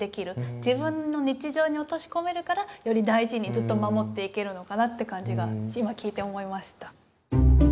自分の日常に落とし込めるからより大事にずっと守っていけるのかなって感じが今聞いて思いました。